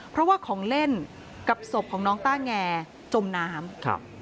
เพราะว่าของเล่นกับศพของน้องต้าแงจมน้ำ